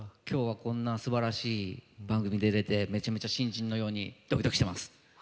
今日はこんなすばらしい番組出れてめちゃめちゃ新人のようにドキドキしてます。